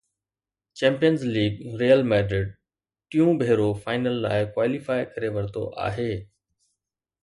champions League Real Madrid ٽيون ڀيرو final لاءِ ڪواليفائي ڪري ورتو آهي